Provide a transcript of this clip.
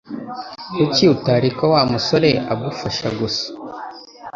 Kuki utareka Wa musore agufasha gusa